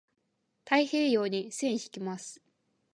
太平洋に線引きます。